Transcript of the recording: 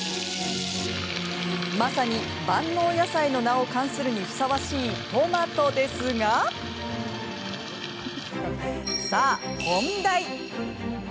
まさに、万能野菜の名を冠するにふさわしいトマトですがさあ、本題。